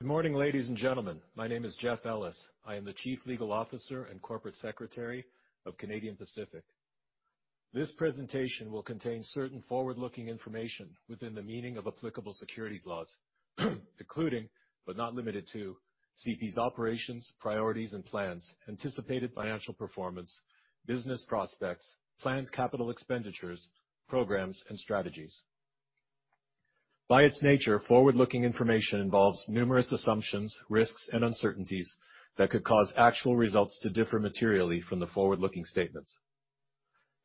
Good morning, ladies and gentlemen. My name is Jeff Ellis. I am the Chief Legal Officer and Corporate Secretary of Canadian Pacific. This presentation will contain certain forward-looking information within the meaning of applicable securities laws, including but not limited to CP's operations, priorities, and plans, anticipated financial performance, business prospects, planned capital expenditures, programs, and strategies. By its nature, forward-looking information involves numerous assumptions, risks, and uncertainties that could cause actual results to differ materially from the forward-looking statements.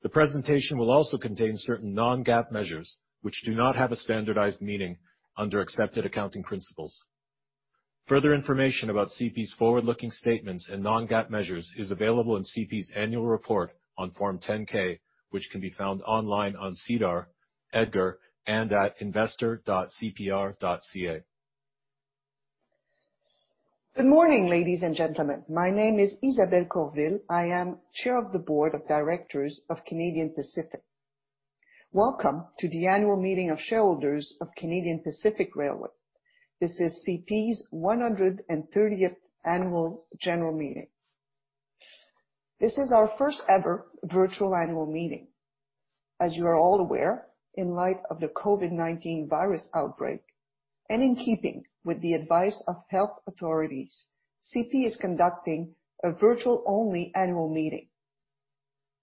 The presentation will also contain certain non-GAAP measures, which do not have a standardized meaning under accepted accounting principles. Further information about CP's forward-looking statements and non-GAAP measures is available in CP's annual report on Form 10-K, which can be found online on SEDAR, EDGAR, and at investor.cpr.ca. Good morning, ladies and gentlemen. My name is Isabelle Courville. I am Chair of the Board of Directors of Canadian Pacific. Welcome to the Annual Meeting of Shareholders of Canadian Pacific Railway. This is CP's 130th Annual General Meeting. This is our first-ever virtual annual meeting. As you are all aware, in light of the COVID-19 virus outbreak, and in keeping with the advice of health authorities, CP is conducting a virtual-only annual meeting.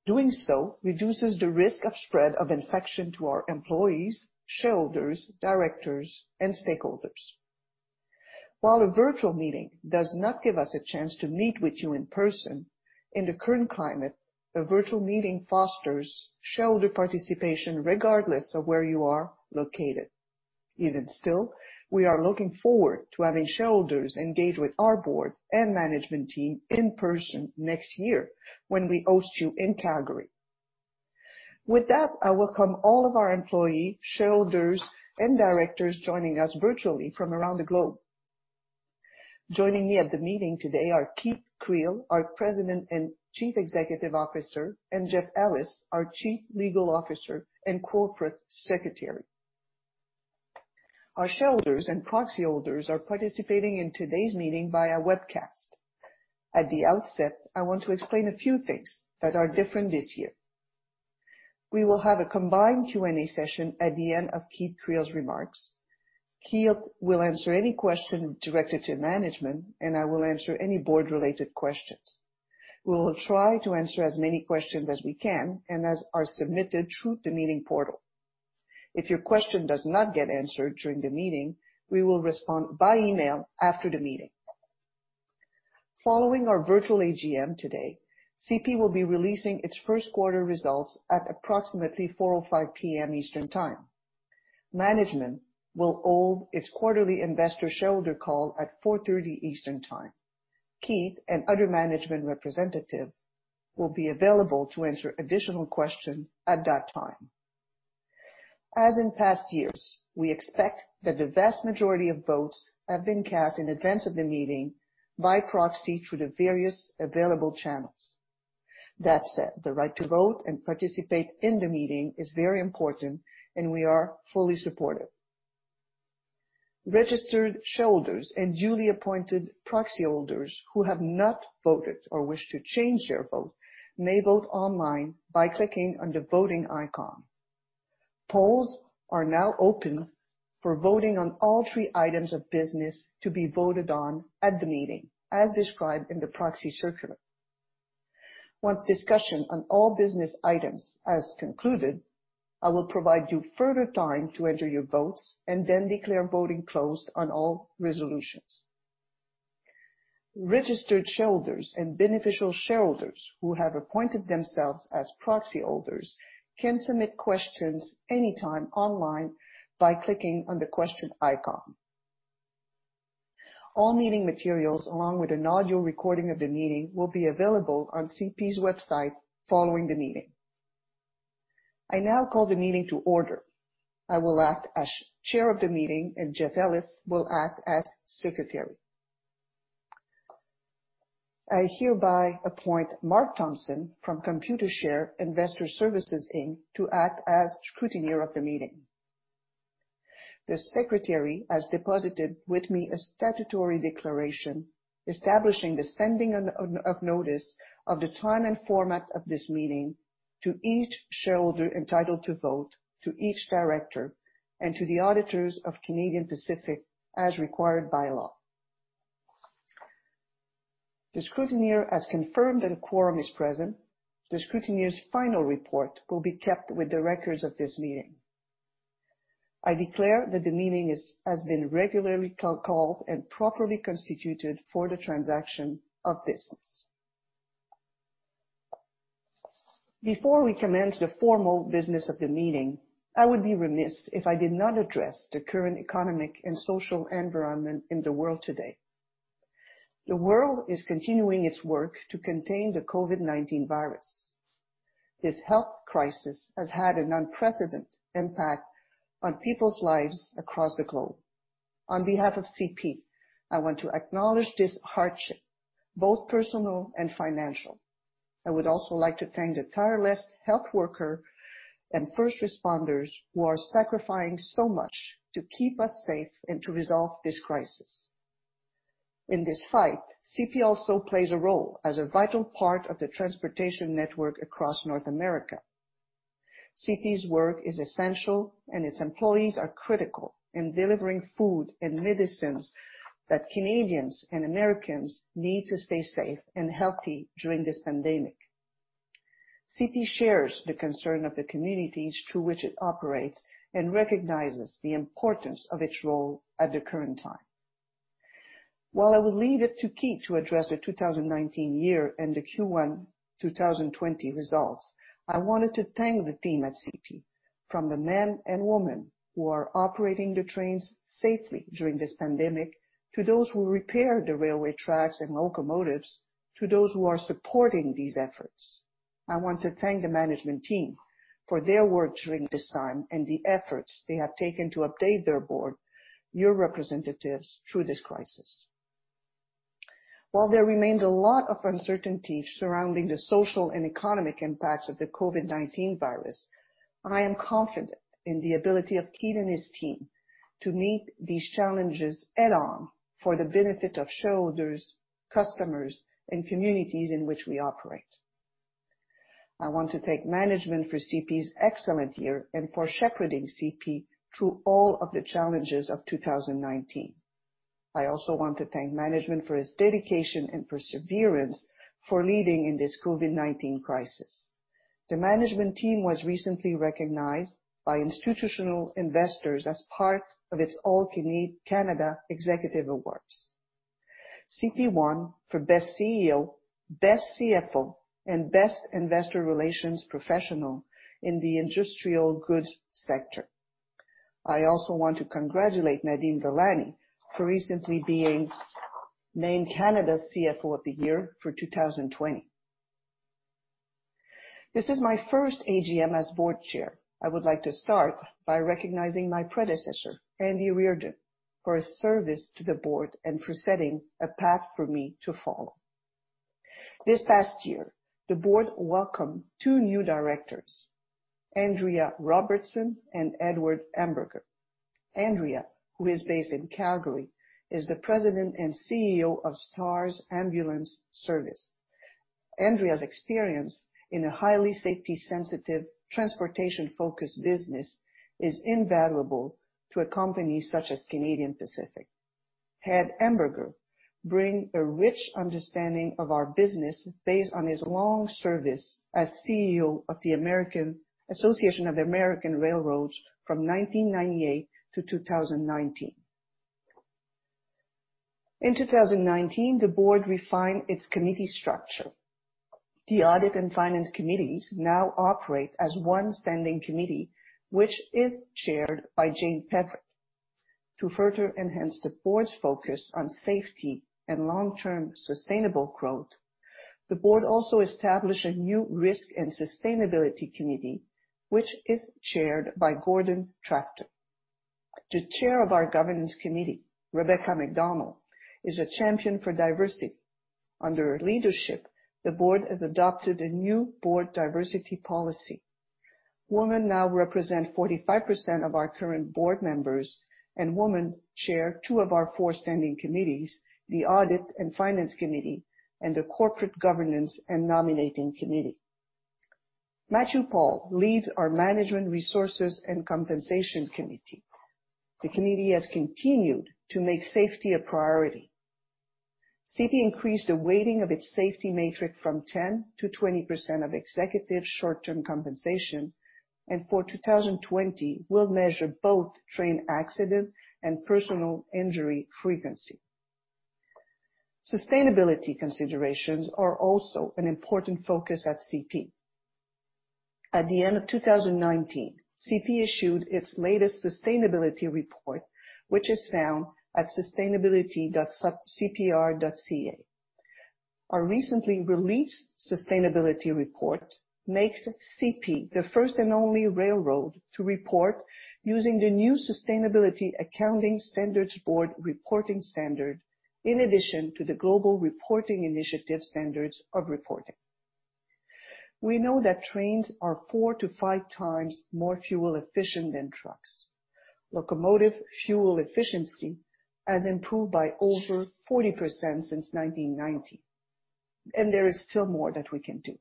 Doing so reduces the risk of spread of infection to our employees, shareholders, directors, and stakeholders. While a virtual meeting does not give us a chance to meet with you in person, in the current climate, a virtual meeting fosters shareholder participation regardless of where you are located. Even still, we are looking forward to having shareholders engage with our board and management team in person next year when we host you in Calgary. With that, I welcome all of our employees, shareholders, and directors joining us virtually from around the globe. Joining me at the meeting today are Keith Creel, our President and Chief Executive Officer, and Jeff Ellis, our Chief Legal Officer and Corporate Secretary. Our shareholders and proxy holders are participating in today's meeting via webcast. At the outset, I want to explain a few things that are different this year. We will have a combined Q&A session at the end of Keith Creel's remarks. Keith will answer any question directed to management, and I will answer any board-related questions. We will try to answer as many questions as we can and as are submitted through the meeting portal. If your question does not get answered during the meeting, we will respond by email after the meeting. Following our virtual AGM today, CP will be releasing its first-quarter results at approximately 4:05 P.M. Eastern Time. Management will hold its quarterly investor shareholder call at 4:30 P.M. Eastern Time. Keith and other management representatives will be available to answer additional questions at that time. As in past years, we expect that the vast majority of votes have been cast in advance of the meeting by proxy through the various available channels. That said, the right to vote and participate in the meeting is very important, and we are fully supportive. Registered shareholders and duly appointed proxy holders who have not voted or wish to change their vote may vote online by clicking on the voting icon. Polls are now open for voting on all three items of business to be voted on at the meeting, as described in the proxy circular. Once discussion on all business items has concluded, I will provide you further time to enter your votes and then declare voting closed on all resolutions. Registered shareholders and beneficial shareholders who have appointed themselves as proxy holders can submit questions anytime online by clicking on the question icon. All meeting materials, along with an audio recording of the meeting, will be available on CP's website following the meeting. I now call the meeting to order. I will act as Chair of the meeting, and Jeff Ellis will act as Secretary. I hereby appoint Mark Thompson from Computershare Investor Services Inc. to act as Scrutineer of the meeting. The Secretary has deposited with me a statutory declaration establishing the sending of notice of the time and format of this meeting to each shareholder entitled to vote, to each director, and to the auditors of Canadian Pacific as required by law. The Scrutineer has confirmed that a quorum is present. The Scrutineer's final report will be kept with the records of this meeting. I declare that the meeting has been regularly called and properly constituted for the transaction of business. Before we commence the formal business of the meeting, I would be remiss if I did not address the current economic and social environment in the world today. The world is continuing its work to contain the COVID-19 virus. This health crisis has had an unprecedented impact on people's lives across the globe. On behalf of CP, I want to acknowledge this hardship, both personal and financial. I would also like to thank the tireless health worker and first responders who are sacrificing so much to keep us safe and to resolve this crisis. In this fight, CP also plays a role as a vital part of the transportation network across North America. CP's work is essential, and its employees are critical in delivering food and medicines that Canadians and Americans need to stay safe and healthy during this pandemic. CP shares the concern of the communities through which it operates and recognizes the importance of its role at the current time. While I will leave it to Keith to address the 2019 year and the Q1 2020 results, I wanted to thank the team at CP. From the men and women who are operating the trains safely during this pandemic, to those who repair the railway tracks and locomotives, to those who are supporting these efforts. I want to thank the management team for their work during this time and the efforts they have taken to update their board, your representatives, through this crisis. While there remains a lot of uncertainty surrounding the social and economic impacts of the COVID-19 virus, I am confident in the ability of Keith and his team to meet these challenges head-on for the benefit of shareholders, customers, and communities in which we operate. I want to thank management for CP's excellent year and for shepherding CP through all of the challenges of 2019. I also want to thank management for its dedication and perseverance for leading in this COVID-19 crisis. The management team was recently recognized by institutional investors as part of its All-Canada Executive Awards. CP won for best CEO, best CFO, and best investor relations professional in the industrial goods sector. I also want to congratulate Nadeem Velani for recently being named Canada CFO of the Year for 2020. This is my first AGM as Board Chair. I would like to start by recognizing my predecessor, Andrew Reardon, for his service to the board and for setting a path for me to follow. This past year, the board welcomed two new directors, Andrea Robertson and Edward Hamberger. Andrea, who is based in Calgary, is the President and CEO of STARS Air Ambulance. Andrea's experience in a highly safety-sensitive, transportation-focused business is invaluable to a company such as Canadian Pacific. Ed Hamberger brings a rich understanding of our business based on his long service as CEO of the Association of American Railroads from 1998 to 2019. In 2019, the Board refined its committee structure. The audit and finance committees now operate as one standing committee, which is chaired by Jane Peverett. To further enhance the board's focus on safety and long-term sustainable growth, the board also established a new risk and sustainability committee, which is chaired by Gordon Trafton. The Chair of our governance committee, Rebecca MacDonald, is a champion for diversity. Under her leadership, the board has adopted a new board diversity policy. Women now represent 45% of our current board members, and women Chair two of our four standing committees, the audit and finance committee and the corporate governance and nominating committee. Matthew Paull leads our management resources and compensation committee. The committee has continued to make safety a priority. CP increased the weighting of its safety metric from 10% to 20% of executive short-term compensation, and for 2020 will measure both train accident and personal injury frequency. Sustainability considerations are also an important focus at CP. At the end of 2019, CP issued its latest sustainability report, which is found at sustainability.cpr.ca. Our recently released sustainability report makes CP the first and only railroad to report using the new Sustainability Accounting Standards Board reporting standard in addition to the Global Reporting Initiative standards of reporting. We know that trains are four to five times more fuel efficient than trucks. Locomotive fuel efficiency has improved by over 40% since 1990, and there is still more that we can do.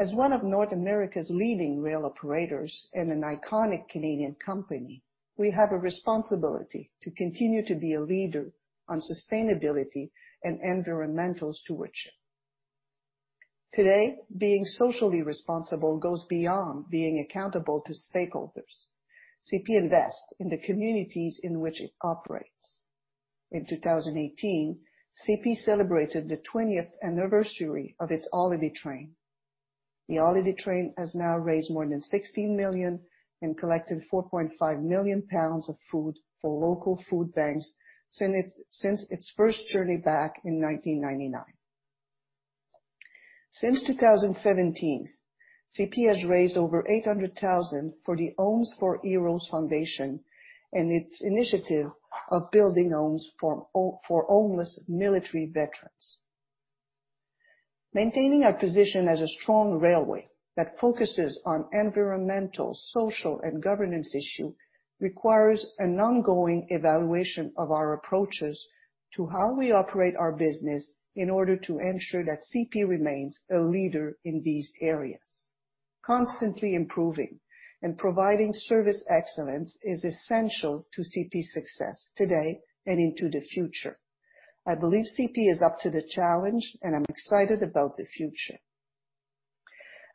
As one of North America's leading rail operators and an iconic Canadian company, we have a responsibility to continue to be a leader on sustainability and environmental stewardship. Today, being socially responsible goes beyond being accountable to stakeholders. CP invests in the communities in which it operates. In 2018, CP celebrated the 20th anniversary of its Holiday Train. The Holiday Train has now raised more than 16 million and collected 4.5 million pounds of food for local food banks since its first journey back in 1999. Since 2017, CP has raised over 800,000 for the Homes for Heroes Foundation and its initiative of building homes for homeless military veterans. Maintaining our position as a strong railway that focuses on environmental, social, and governance issue, requires an ongoing evaluation of our approaches to how we operate our business in order to ensure that CP remains a leader in these areas. Constantly improving and providing service excellence is essential to CP's success today and into the future. I believe CP is up to the challenge, and I'm excited about the future.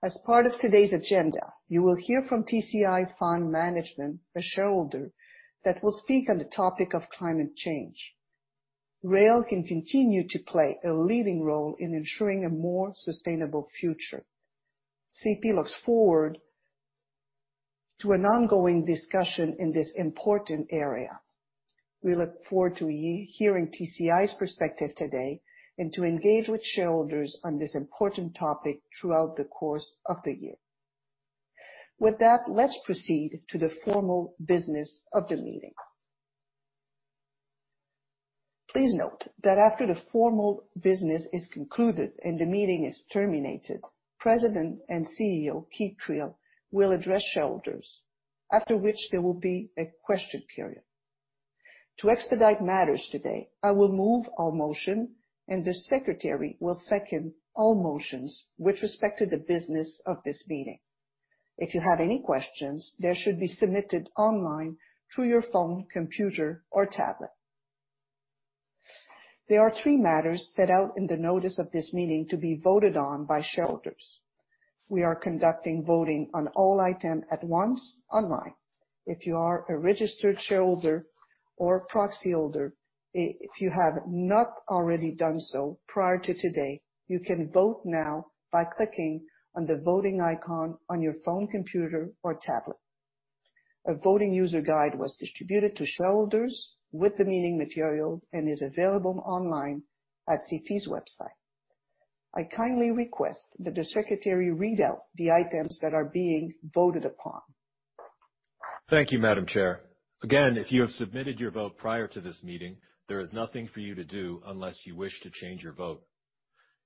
As part of today's agenda, you will hear from TCI Fund Management, a shareholder that will speak on the topic of climate change. Rail can continue to play a leading role in ensuring a more sustainable future. CP looks forward to an ongoing discussion in this important area. We look forward to hearing TCI's perspective today and to engage with shareholders on this important topic throughout the course of the year. With that, let's proceed to the formal business of the meeting. Please note that after the formal business is concluded and the meeting is terminated, President and CEO Keith Creel will address shareholders, after which there will be a question period. To expedite matters today, I will move all motion, and the secretary will second all motions with respect to the business of this meeting. If you have any questions, they should be submitted online through your phone, computer, or tablet. There are three matters set out in the notice of this meeting to be voted on by shareholders. We are conducting voting on all item at once online. If you are a registered shareholder or proxy holder, if you have not already done so prior to today, you can vote now by clicking on the voting icon on your phone, computer, or tablet. A voting user guide was distributed to shareholders with the meeting materials and is available online at CP's website. I kindly request that the secretary read out the items that are being voted upon. Thank you, Madam Chair. Again, if you have submitted your vote prior to this meeting, there is nothing for you to do unless you wish to change your vote.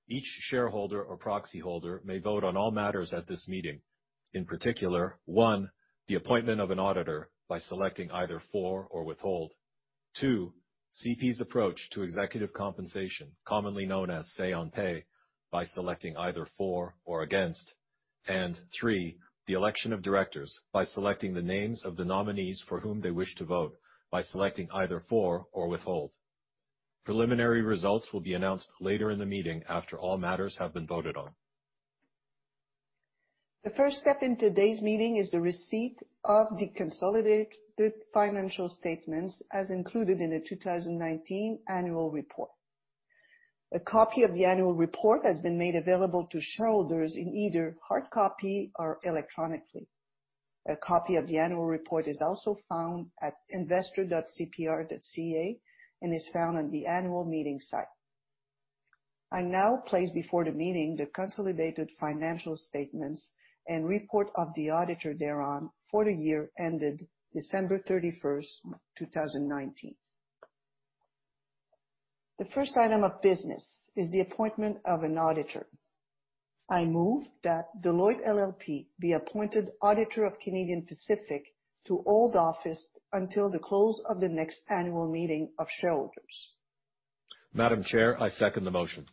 Each shareholder or proxy holder may vote on all matters at this meeting. In particular. One, the appointment of an auditor by selecting either for or withhold. Two, CP's approach to executive compensation, commonly known as say on pay, by selecting either for or against. Three, the election of directors by selecting the names of the nominees for whom they wish to vote by selecting either for or withhold. Preliminary results will be announced later in the meeting after all matters have been voted on. The first step in today's meeting is the receipt of the consolidated financial statements as included in the 2019 annual report. A copy of the annual report has been made available to shareholders in either hard copy or electronically. A copy of the annual report is also found at investor.cpr.ca and is found on the annual meeting site. I now place before the meeting the consolidated financial statements and report of the auditor thereon for the year ended December 31st, 2019. The first item of business is the appointment of an auditor. I move that Deloitte LLP be appointed auditor of Canadian Pacific to hold office until the close of the next Annual Meeting of Shareholders. Madam Chair, I second the motion.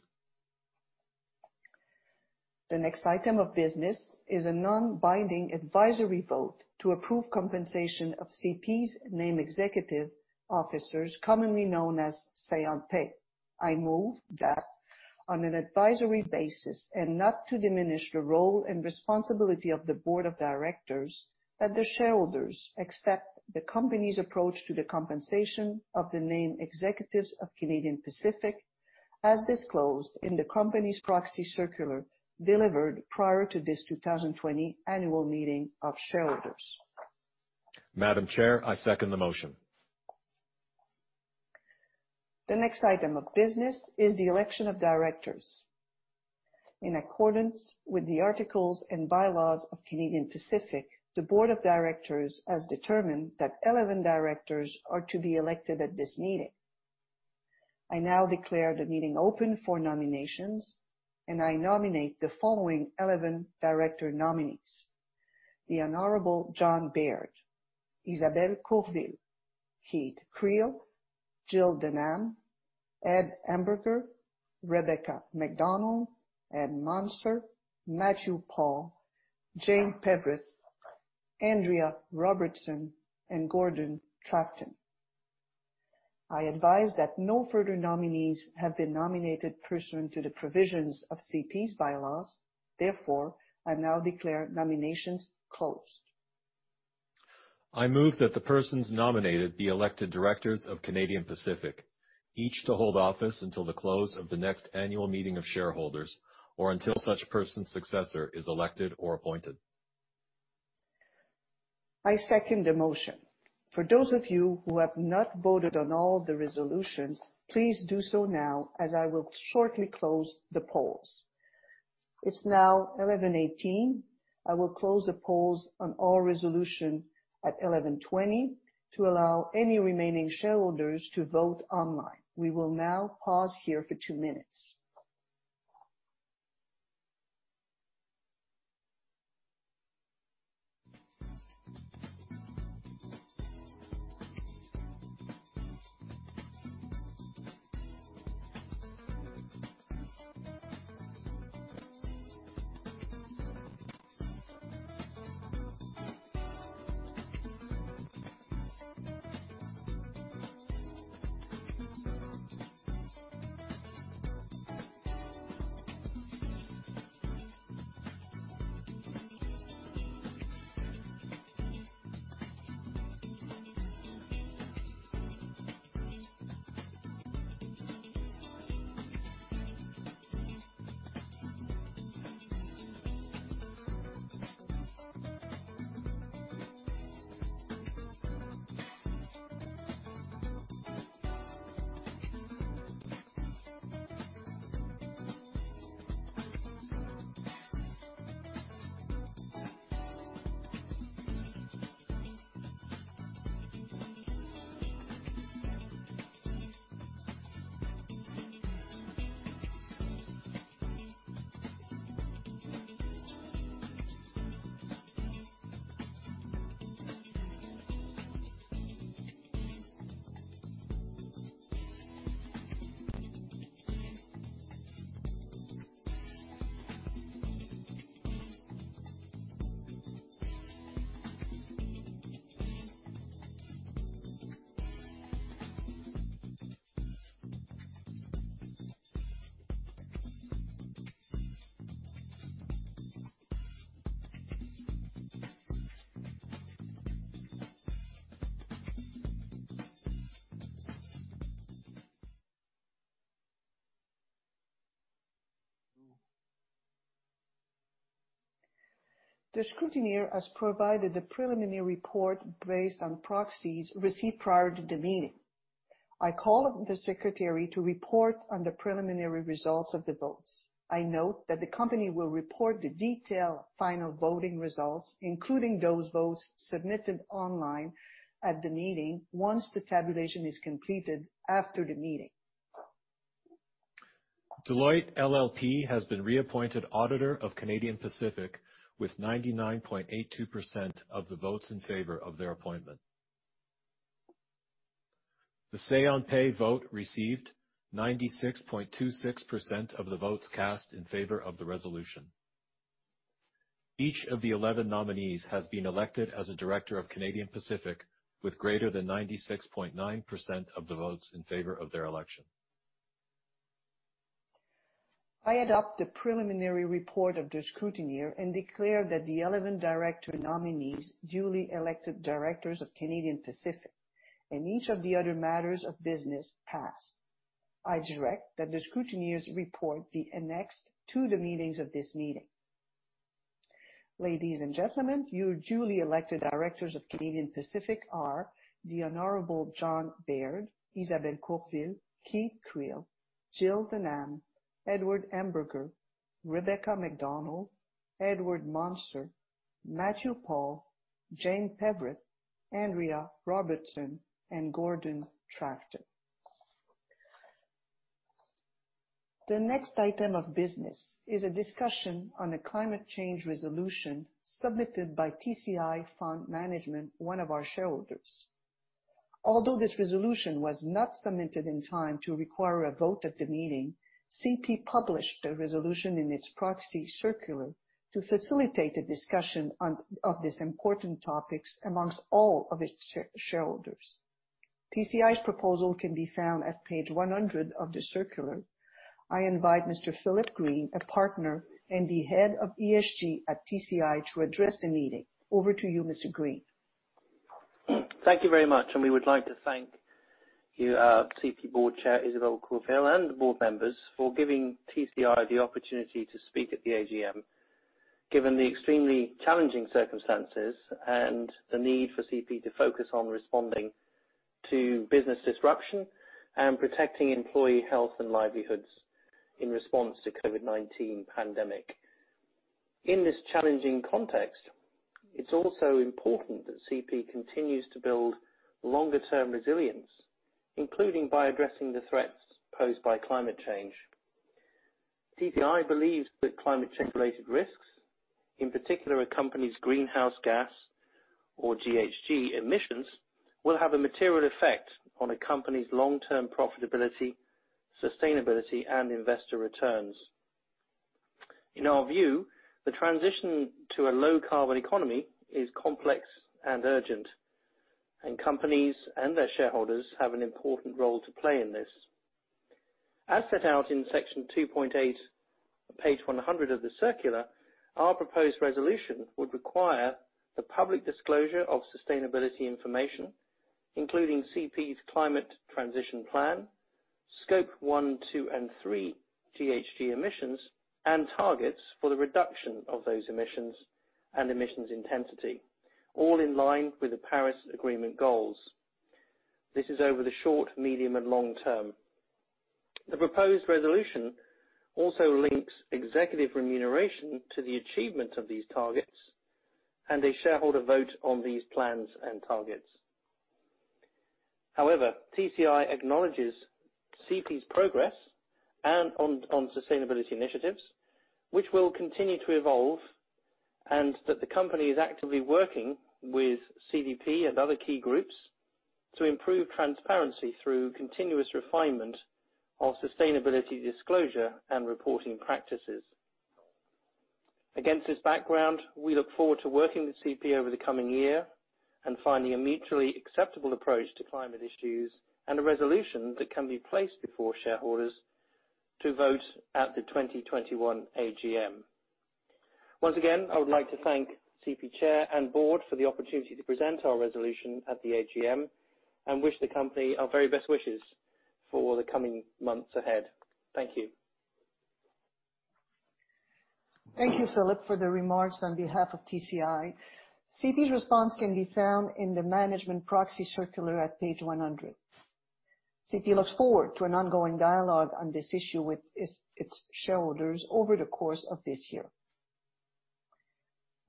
The next item of business is a non-binding advisory vote to approve compensation of CP's named executive officers, commonly known as say on pay. I move that on an advisory basis and not to diminish the role and responsibility of the board of directors, that the shareholders accept the company's approach to the compensation of the named executives of Canadian Pacific as disclosed in the company's proxy circular delivered prior to this 2020 Annual Meeting of Shareholders. Madam Chair, I second the motion. The next item of business is the election of directors. In accordance with the articles and bylaws of Canadian Pacific, the board of directors has determined that 11 directors are to be elected at this meeting. I now declare the meeting open for nominations, and I nominate the following 11 director nominees: The Honorable John Baird, Isabelle Courville, Keith Creel, Jill Denham, Ed Hamberger, Rebecca MacDonald, Ed Monser, Matthew Paull, Jane Peverett, Andrea Robertson, and Gordon Trafton. I advise that no further nominees have been nominated pursuant to the provisions of CP's bylaws. Therefore, I now declare nominations closed. I move that the persons nominated be elected directors of Canadian Pacific, each to hold office until the close of the next Annual Meeting of Shareholders or until such person's successor is elected or appointed. I second the motion. For those of you who have not voted on all the resolutions, please do so now as I will shortly close the polls. It's now 11:18 A.M. I will close the polls on all resolution at 11:20 A.M. to allow any remaining shareholders to vote online. We will now pause here for two minutes. The scrutineer has provided the preliminary report based on proxies received prior to the meeting. I call the secretary to report on the preliminary results of the votes. I note that the company will report the detailed final voting results, including those votes submitted online at the meeting, once the tabulation is completed after the meeting. Deloitte LLP has been reappointed auditor of Canadian Pacific with 99.82% of the votes in favor of their appointment. The say on pay vote received 96.26% of the votes cast in favor of the resolution. Each of the 11 nominees has been elected as a director of Canadian Pacific with greater than 96.9% of the votes in favor of their election. I adopt the preliminary report of the scrutineer and declare that the 11 director nominees duly elected directors of Canadian Pacific and each of the other matters of business passed. I direct that the scrutineer's report be annexed to the meetings of this meeting. Ladies and gentlemen, your duly elected directors of Canadian Pacific are the Honorable John Baird, Isabelle Courville, Keith Creel, Jill Denham, Edward Hamberger, Rebecca MacDonald, Edward Monser, Matthew Paull, Jane Peverett, Andrea Robertson, and Gordon Trafton. The next item of business is a discussion on the climate change resolution submitted by TCI Fund Management, one of our shareholders. Although this resolution was not submitted in time to require a vote at the meeting, CP published the resolution in its proxy circular to facilitate a discussion of these important topics amongst all of its shareholders. TCI's proposal can be found on page 100 of the circular. I invite Mr. Philip Green, a partner and the head of ESG at TCI, to address the meeting. Over to you, Mr. Green. Thank you very much. We would like to thank you, our CP board Chair, Isabelle Courville, and the Board members for giving TCI the opportunity to speak at the AGM, given the extremely challenging circumstances and the need for CP to focus on responding to business disruption and protecting employee health and livelihoods in response to COVID-19 pandemic. In this challenging context, it's also important that CP continues to build longer-term resilience including by addressing the threats posed by climate change. TCI believes that climate change-related risks, in particular a company's greenhouse gas or GHG emissions, will have a material effect on a company's long-term profitability, sustainability, and investor returns. In our view, the transition to a low-carbon economy is complex and urgent, and companies and their shareholders have an important role to play in this. As set out in section 2.8 on page 100 of the circular, our proposed resolution would require the public disclosure of sustainability information, including CP's climate transition plan, Scope 1, 2, and 3 GHG emissions and targets for the reduction of those emissions and emissions intensity, all in line with the Paris Agreement goals. This is over the short, medium, and long term. The proposed resolution also links executive remuneration to the achievement of these targets and a shareholder vote on these plans and targets. However, TCI acknowledges CP's progress and on sustainability initiatives, which will continue to evolve, and that the company is actively working with CDP and other key groups to improve transparency through continuous refinement of sustainability disclosure and reporting practices. Against this background, we look forward to working with CP over the coming year and finding a mutually acceptable approach to climate issues and a resolution that can be placed before shareholders to vote at the 2021 AGM. Once again, I would like to thank CP Chair and Board for the opportunity to present our resolution at the AGM and wish the company our very best wishes for the coming months ahead. Thank you. Thank you, Philip, for the remarks on behalf of TCI. CP's response can be found in the management proxy circular at page 100. CP looks forward to an ongoing dialogue on this issue with its shareholders over the course of this year.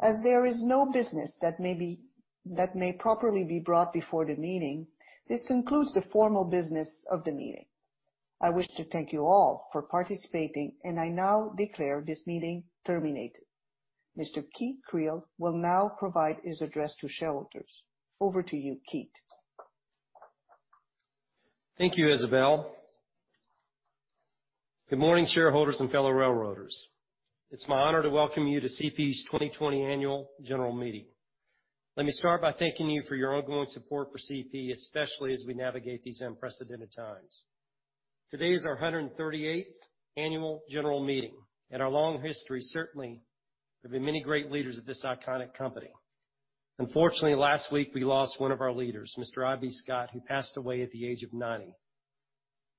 As there is no business that may properly be brought before the meeting, this concludes the formal business of the meeting. I wish to thank you all for participating, and I now declare this meeting terminated. Mr. Keith Creel will now provide his address to shareholders. Over to you, Keith. Thank you, Isabelle. Good morning, shareholders and fellow railroaders. It's my honor to welcome you to CP's 2020 Annual General Meeting. Let me start by thanking you for your ongoing support for CP, especially as we navigate these unprecedented times. Today is our 138th Annual General Meeting. In our long history, certainly, there have been many great leaders of this iconic company. Unfortunately, last week we lost one of our leaders, Mr. I.B. Scott, who passed away at the age of 90.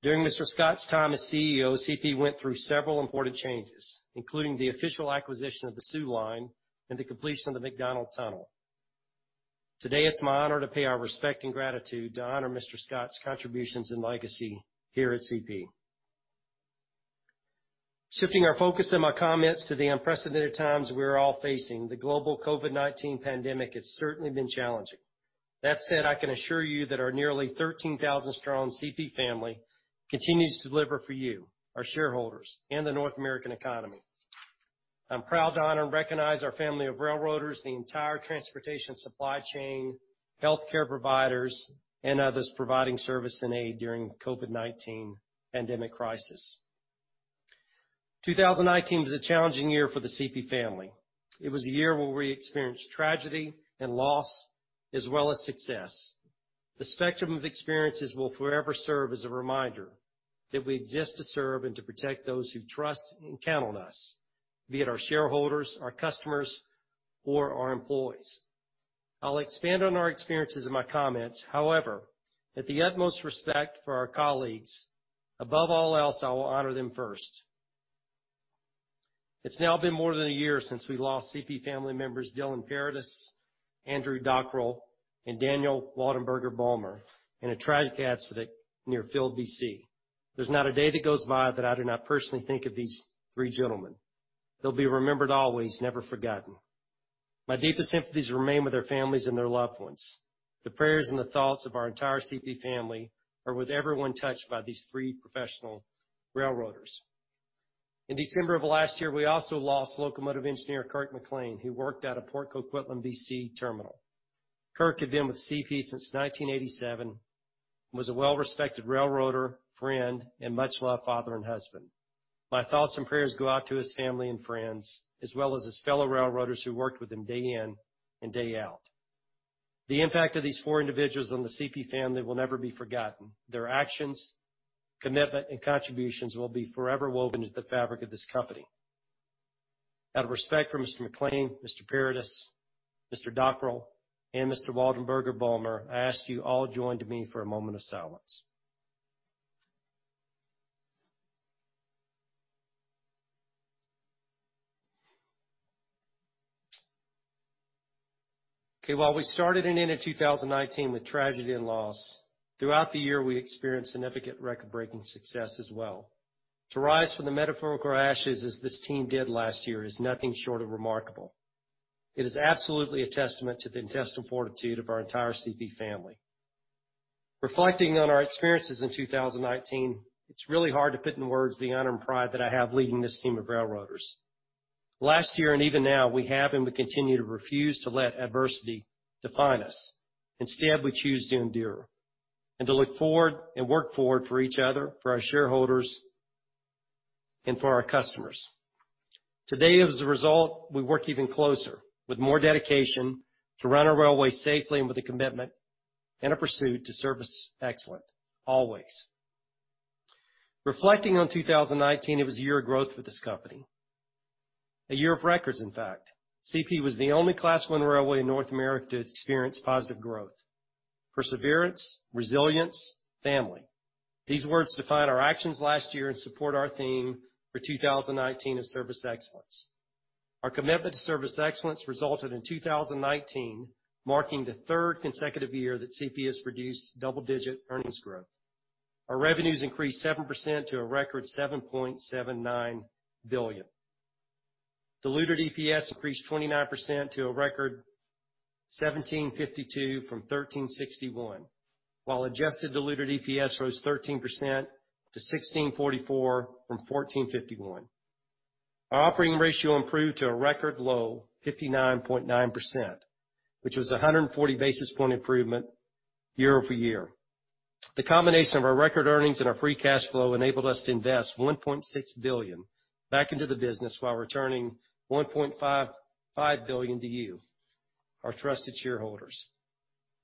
During Mr. Scott's time as CEO, CP went through several important changes, including the official acquisition of the Soo Line and the completion of the Mount Macdonald Tunnel. Today, it's my honor to pay our respect and gratitude to honor Mr. Scott's contributions and legacy here at CP. Shifting our focus and my comments to the unprecedented times we're all facing, the global COVID-19 pandemic has certainly been challenging. That said, I can assure you that our nearly 13,000-strong CP family continues to deliver for you, our shareholders, and the North American economy. I'm proud to honor and recognize our family of railroaders, the entire transportation supply chain, healthcare providers, and others providing service and aid during the COVID-19 pandemic crisis. 2019 was a challenging year for the CP family. It was a year where we experienced tragedy and loss, as well as success. The spectrum of experiences will forever serve as a reminder that we exist to serve and to protect those who trust and count on us, be it our shareholders, our customers, or our employees. I'll expand on our experiences in my comments. However, at the utmost respect for our colleagues, above all else, I will honor them first. It's now been more than a year since we lost CP family members Dylan Paradis, Andrew Dockrell, and Daniel Waldenberger-Bulmer in a tragic accident near Field, BC. There's not a day that goes by that I do not personally think of these three gentlemen. They'll be remembered always, never forgotten. My deepest sympathies remain with their families and their loved ones. The prayers and the thoughts of our entire CP family are with everyone touched by these three professional railroaders. In December of last year, we also lost locomotive engineer Kirk McLean, who worked out of Port Coquitlam, BC terminal. Kirk had been with CP since 1987 and was a well-respected railroader, friend, and much-loved father and husband. My thoughts and prayers go out to his family and friends, as well as his fellow railroaders who worked with him day in and day out. The impact of these four individuals on the CP family will never be forgotten. Their actions, commitment, and contributions will be forever woven into the fabric of this company. Out of respect for Mr. McLean, Mr. Paradis, Mr. Dockrell, and Mr. Waldenberger-Bulmer, I ask you all join to me for a moment of silence. Okay. While we started and ended 2019 with tragedy and loss, throughout the year, we experienced significant record-breaking success as well. To rise from the metaphorical ashes as this team did last year is nothing short of remarkable. It is absolutely a testament to the intestinal fortitude of our entire CP family. Reflecting on our experiences in 2019, it's really hard to put in words the honor and pride that I have leading this team of railroaders. Last year, and even now, we have and we continue to refuse to let adversity define us. Instead, we choose to endure and to look forward and work forward for each other, for our shareholders, and for our customers. Today, as a result, we work even closer with more dedication to run our railway safely and with a commitment and a pursuit to service excellence, always. Reflecting on 2019, it was a year of growth for this company. A year of records, in fact. CP was the only Class I railway in North America to experience positive growth. Perseverance, resilience, family. These words defined our actions last year and support our theme for 2019 of service excellence. Our commitment to service excellence resulted in 2019 marking the third consecutive year that CP has produced double-digit earnings growth. Our revenues increased 7% to a record 7.79 billion. Diluted EPS increased 29% to a record 17.52 from 13.61, while adjusted diluted EPS rose 13% to 16.44 from 14.51. Our operating ratio improved to a record low 59.9%, which was a 140 basis point improvement year-over-year. The combination of our record earnings and our free cash flow enabled us to invest 1.6 billion back into the business while returning 1.55 billion to you, our trusted shareholders.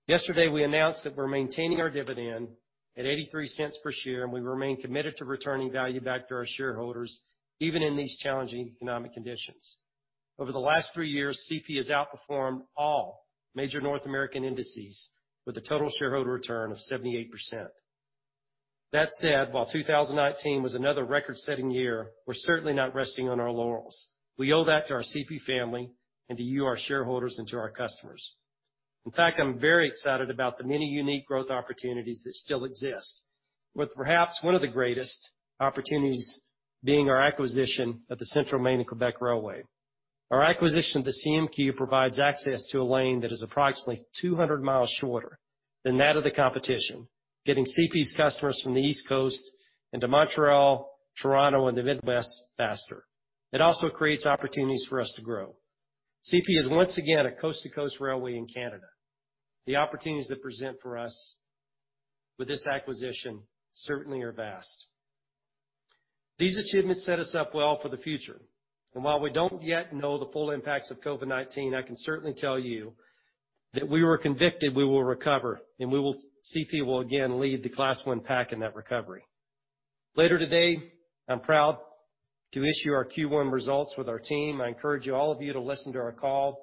Yesterday, we announced that we're maintaining our dividend at 0.83 per share, and we remain committed to returning value back to our shareholders, even in these challenging economic conditions. Over the last three years, CP has outperformed all major North American indices with a total shareholder return of 78%. That said, while 2019 was another record-setting year, we're certainly not resting on our laurels. We owe that to our CP family, and to you, our shareholders, and to our customers. In fact, I'm very excited about the many unique growth opportunities that still exist. With perhaps one of the greatest opportunities being our acquisition of the Central Maine and Quebec Railway. Our acquisition of the CMQ provides access to a lane that is approximately 200 miles shorter than that of the competition, getting CP's customers from the East Coast into Montreal, Toronto, and the Midwest faster. It also creates opportunities for us to grow. CP is once again a coast-to-coast railway in Canada. The opportunities that present for us with this acquisition certainly are vast. These achievements set us up well for the future. While we don't yet know the full impacts of COVID-19, I can certainly tell you that we are convicted we will recover, and CP will again lead the Class I pack in that recovery. Later today, I'm proud to issue our Q1 results with our team. I encourage all of you to listen to our call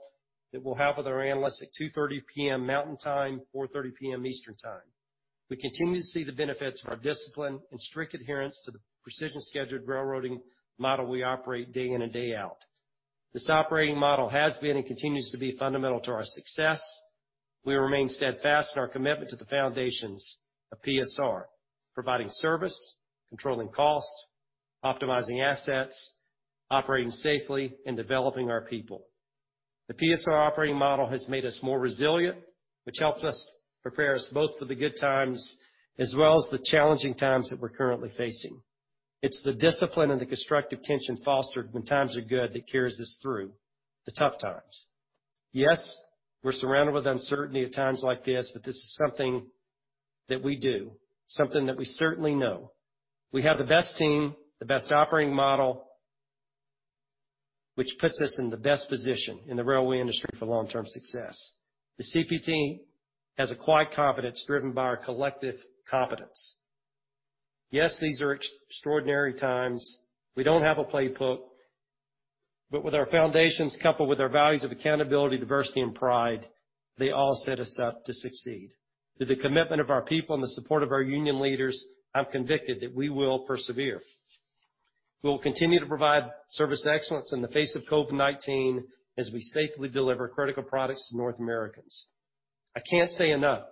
that we'll have with our analysts at 2:30 P.M. Mountain Time, 4:30 P.M. Eastern Time. We continue to see the benefits of our discipline and strict adherence to the precision scheduled railroading model we operate day in and day out. This operating model has been and continues to be fundamental to our success. We remain steadfast in our commitment to the foundations of PSR, providing service, controlling cost, optimizing assets, operating safely, and developing our people. The PSR operating model has made us more resilient, which helped us prepare us both for the good times as well as the challenging times that we're currently facing. It's the discipline and the constructive tension fostered when times are good that carries us through the tough times. Yes, we're surrounded with uncertainty at times like this. This is something that we do, something that we certainly know. We have the best team, the best operating model, which puts us in the best position in the railway industry for long-term success. The CP team has a quiet confidence driven by our collective competence. Yes, these are extraordinary times. We don't have a playbook. With our foundations coupled with our values of accountability, diversity, and pride, they all set us up to succeed. Through the commitment of our people and the support of our union leaders, I'm convicted that we will persevere. We will continue to provide service excellence in the face of COVID-19 as we safely deliver critical products to North Americans. I can't say enough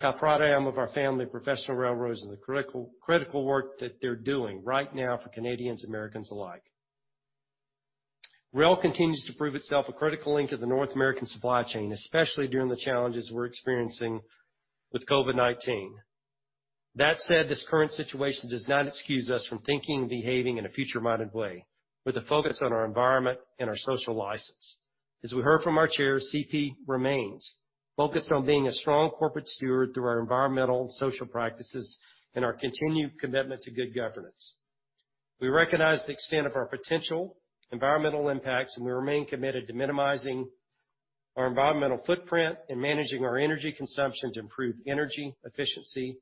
how proud I am of our family of professional railroads and the critical work that they're doing right now for Canadians, Americans alike. Rail continues to prove itself a critical link of the North American supply chain, especially during the challenges we're experiencing with COVID-19. That said, this current situation does not excuse us from thinking and behaving in a future-minded way with a focus on our environment and our social license. As we heard from our Chair, CP remains focused on being a strong corporate steward through our environmental and social practices and our continued commitment to good governance. We recognize the extent of our potential environmental impacts, and we remain committed to minimizing our environmental footprint and managing our energy consumption to improve energy efficiency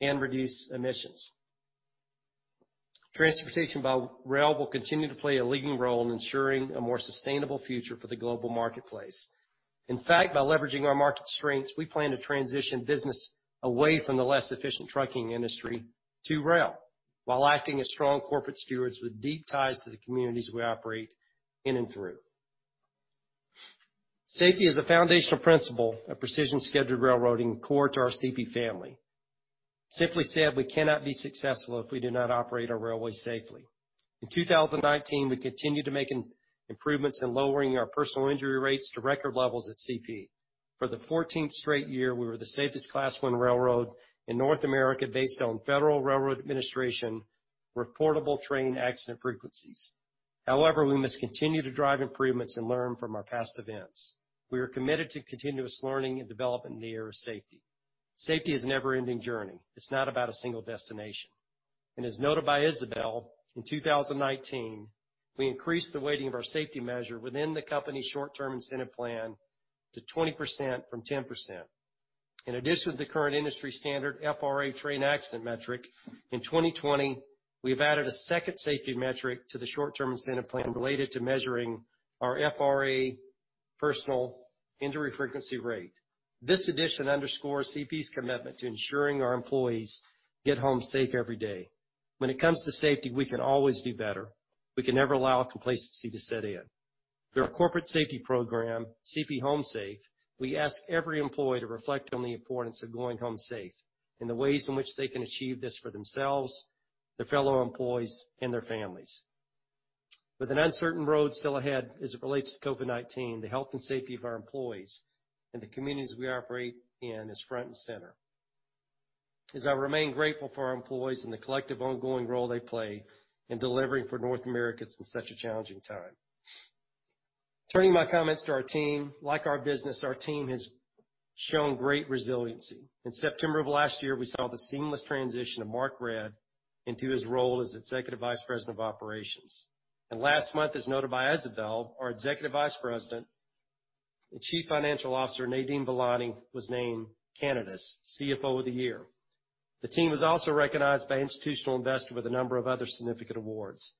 and reduce emissions. Transportation by rail will continue to play a leading role in ensuring a more sustainable future for the global marketplace. In fact, by leveraging our market strengths, we plan to transition business away from the less efficient trucking industry to rail while acting as strong corporate stewards with deep ties to the communities we operate in and through. Safety is a foundational principle of precision scheduled railroading core to our CP family. Simply said, we cannot be successful if we do not operate our railway safely. In 2019, we continued to make improvements in lowering our personal injury rates to record levels at CP. For the 14th straight year, we were the safest Class I railroad in North America based on Federal Railroad Administration reportable train accident frequencies. However, we must continue to drive improvements and learn from our past events. We are committed to continuous learning and development in the area of safety. Safety is a never-ending journey. It's not about a single destination. As noted by Isabelle, in 2019, we increased the weighting of our safety measure within the company's short-term incentive plan to 20% from 10%. In addition to the current industry standard FRA train accident metric, in 2020, we have added a second safety metric to the short-term incentive plan related to measuring our FRA personal injury frequency rate. This addition underscores CP's commitment to ensuring our employees get Home Safe every day. When it comes to safety, we can always do better. We can never allow complacency to set in. Through our corporate safety program, CP Home Safe, we ask every employee to reflect on the importance of going home safe and the ways in which they can achieve this for themselves, their fellow employees, and their families. With an uncertain road still ahead as it relates to COVID-19, the health and safety of our employees and the communities we operate in is front and center, as I remain grateful for our employees and the collective ongoing role they play in delivering for North Americans in such a challenging time. Turning my comments to our team, like our business, our team has shown great resiliency. In September of last year, we saw the seamless transition of Mark Redd into his role as Executive Vice President of Operations. Last month, as noted by Isabelle, our Executive Vice President and Chief Financial Officer, Nadeem Velani, was named Canada's CFO of the Year. The team was also recognized by Institutional Investor with a number of other significant awards.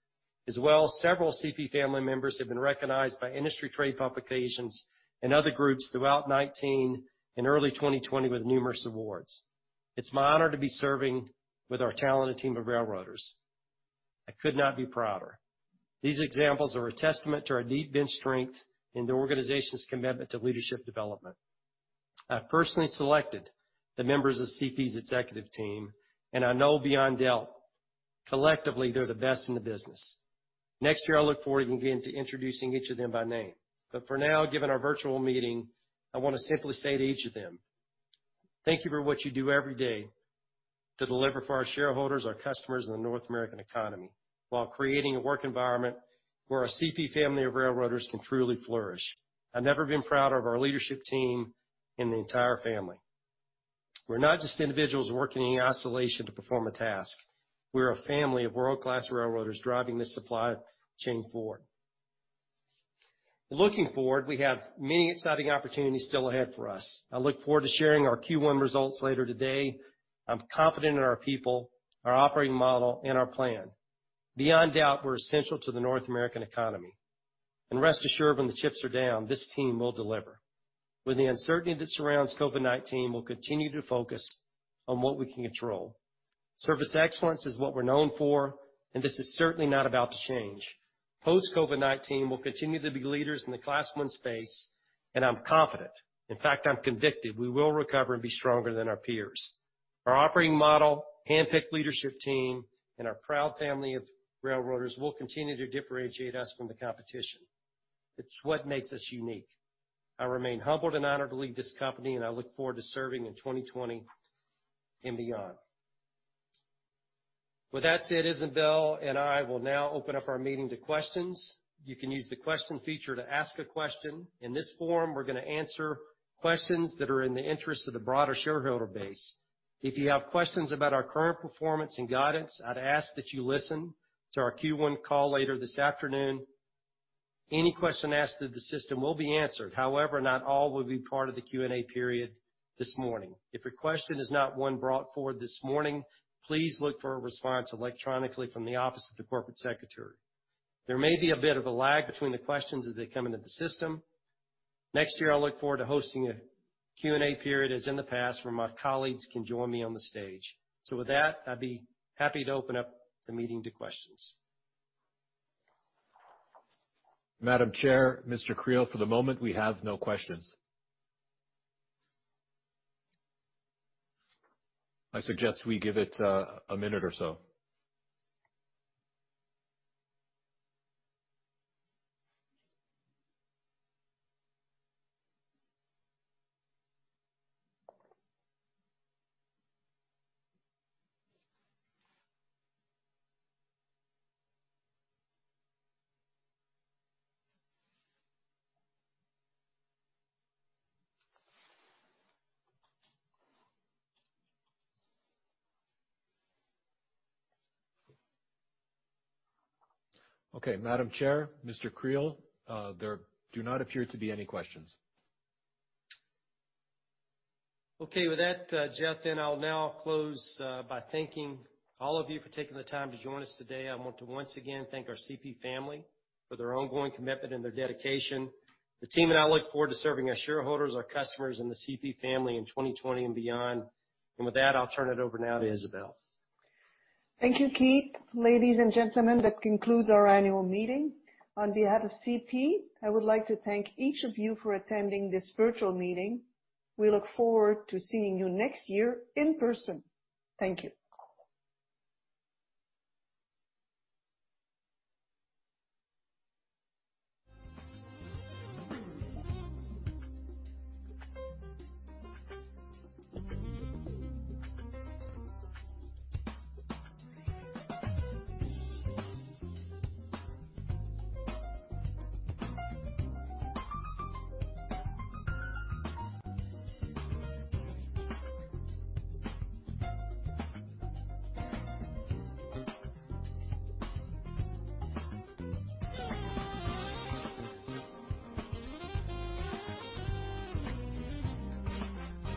As well, several CP family members have been recognized by industry trade publications and other groups throughout 2019 and early 2020 with numerous awards. It's my honor to be serving with our talented team of railroaders. I could not be prouder. These examples are a testament to our deep bench strength and the organization's commitment to leadership development. I personally selected the members of CP's executive team, and I know beyond a doubt, collectively, they're the best in the business. Next year, I look forward to getting to introducing each of them by name. For now, given our virtual meeting, I want to simply say to each of them, thank you for what you do every day to deliver for our shareholders, our customers, and the North American economy while creating a work environment where our CP family of railroaders can truly flourish. I've never been prouder of our leadership team and the entire family. We're not just individuals working in isolation to perform a task. We're a family of world-class railroaders driving this supply chain forward. Looking forward, we have many exciting opportunities still ahead for us. I look forward to sharing our Q1 results later today. I'm confident in our people, our operating model, and our plan. Beyond a doubt, we're essential to the North American economy. Rest assured, when the chips are down, this team will deliver. With the uncertainty that surrounds COVID-19, we'll continue to focus on what we can control. Service excellence is what we're known for, and this is certainly not about to change. Post-COVID-19, we'll continue to be leaders in the Class I space, and I'm confident, in fact, I'm convicted, we will recover and be stronger than our peers. Our operating model, handpicked leadership team, and our proud family of railroaders will continue to differentiate us from the competition. It's what makes us unique. I remain humbled and honored to lead this company, and I look forward to serving in 2020 and beyond. With that said, Isabelle and I will now open up our meeting to questions. You can use the question feature to ask a question. In this forum, we're going to answer questions that are in the interest of the broader shareholder base. If you have questions about our current performance and guidance, I'd ask that you listen to our Q1 call later this afternoon. Any question asked through the system will be answered. Not all will be part of the Q&A period this morning. If your question is not one brought forward this morning, please look for a response electronically from the Office of the Corporate Secretary. There may be a bit of a lag between the questions as they come into the system. Next year, I look forward to hosting a Q&A period as in the past where my colleagues can join me on the stage. With that, I'd be happy to open up the meeting to questions. Madam Chair, Mr. Creel, for the moment, we have no questions. I suggest we give it a minute or so. Madam Chair, Mr. Creel, there do not appear to be any questions. Okay. With that, Jeff, I'll now close by thanking all of you for taking the time to join us today. I want to once again thank our CP family for their ongoing commitment and their dedication. The team and I look forward to serving our shareholders, our customers, and the CP family in 2020 and beyond. With that, I'll turn it over now to Isabelle. Thank you, Keith. Ladies and gentlemen, that concludes our annual meeting. On behalf of CP, I would like to thank each of you for attending this virtual meeting. We look forward to seeing you next year in person. Thank you.